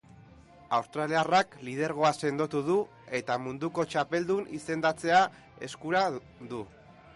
Australiarrak lidergoa sendotu du eta munduko txapeldun izendatzea eskura du.